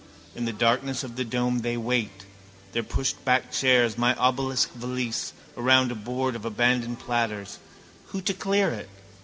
In the darkness of the dome they wait, their pushedback chairs, my obelisk valise, around a board of abandoned platters. Who to clear it?